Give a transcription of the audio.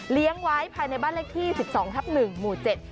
เลี้ยงไว้ภายในบ้านเลขที่สิบสองทับหนึ่งหมู่เจ็ด